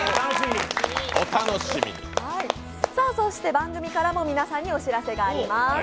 番組からも皆さんにお知らせがあります。